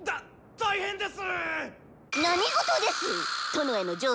大変です！